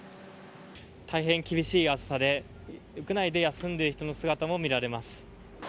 大変厳しい暑さで屋内で休んでいる人の姿も見られます。